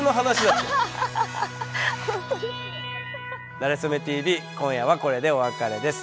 「なれそめＴＶ」今夜はこれでお別れです。